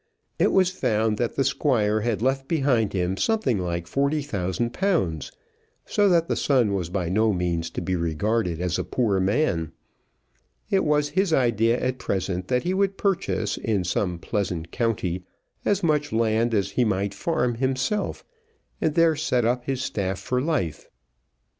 It was found that the Squire had left behind him something like forty thousand pounds, so that the son was by no means to be regarded as a poor man. It was his idea at present that he would purchase in some pleasant county as much land as he might farm himself, and there set up his staff for life.